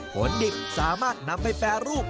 ผลดิบสามารถนำไปแปรรูป